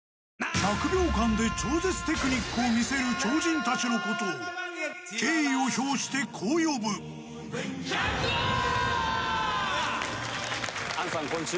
１００秒間で超絶テクニックを見せる超人たちのことを敬意を表してこう呼ぶ杏さん